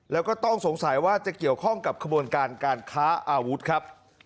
แล้วก็ต้องสงสัยว่าจะเกี่ยวข้องกับขบวนการการค้าอาวุธครับ